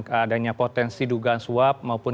keadanya potensi dugaan swab maupun